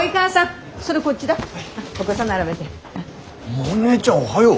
モネちゃんおはよう。